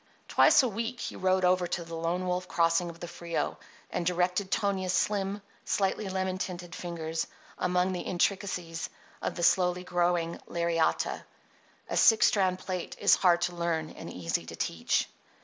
Twice a week he rode over to the Lone Wolf Crossing of the Frio, and directed Tonia's slim, slightly lemon tinted fingers among the intricacies of the slowly growing lariata. A six strand plait is hard to learn and easy to teach.